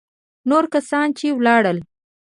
نور کسان چې ولاړل.